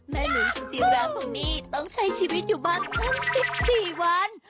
แม่หนุ่มสุจิราคตรงนี้ต้องใช้ชีวิตอยู่บ้างตั้ง๑๔วัน